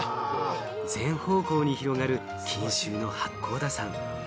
全方向に広がる錦繍の八甲田山。